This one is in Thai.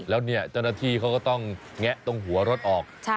แล้วเนี่ยเจ้าหน้าที่เขาก็ต้องแงะตรงหัวรถออก